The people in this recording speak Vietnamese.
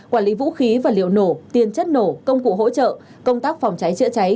quản lý vũ khí và liệu nổ tiền chất nổ công cụ hỗ trợ công tác phòng cháy chữa cháy